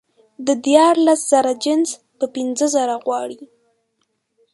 د دیارلس زره جنس په پینځه زره غواړي